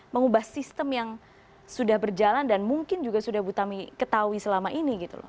mengubah sistem yang sudah berjalan dan mungkin juga sudah bu tami ketahui selama ini gitu loh